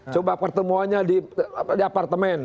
coba pertemuannya di apartemen